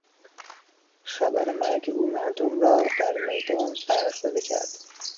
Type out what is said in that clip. خبر مرگ او مردم را در میدان برق زده کرد.